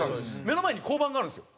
目の前に交番があるんですよ。